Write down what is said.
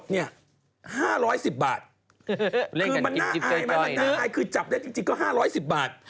คือมันน่าอายมันน่าอายคือจับได้จริงก็๕๑๐บาท